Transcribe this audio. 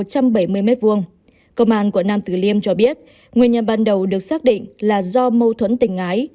công an quận nam tử liêm cho biết nguyên nhân ban đầu được xác định là do mâu thuẫn tình ái